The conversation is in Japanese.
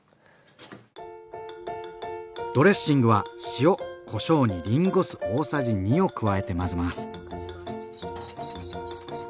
ドレッシングは塩・こしょうにりんご酢大さじ２を加えて混ぜます。